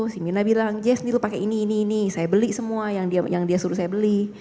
si mina bilang jess ini lo pake ini ini ini saya beli semua yang dia suruh saya beli